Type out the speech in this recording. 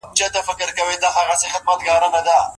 هغه د سپکاوي ژبه نه کاروله.